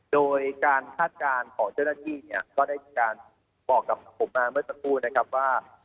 โดยการคาดการณ์ของเจ้าหน้าที่เนี่ยก็ได้มีการบอกกับผมมาเมื่อสักครู่นะครับว่า